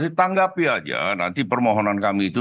ditanggapi aja nanti permohonan kami itu